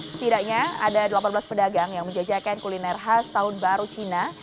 setidaknya ada delapan belas pedagang yang menjajakan kuliner khas tahun baru cina